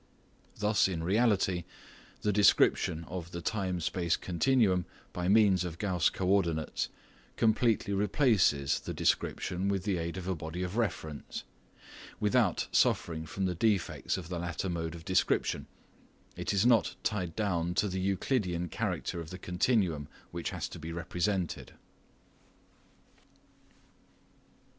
Thus in reality, the description of the time space continuum by means of Gauss co ordinates completely replaces the description with the aid of a body of reference, without suffering from the defects of the latter mode of description; it is not tied down to the Euclidean character of the continuum which has to be represented.